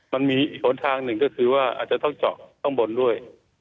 มันมีอีกหนทางหนึ่งก็คือว่าอาจจะต้องเจาะข้างบนด้วย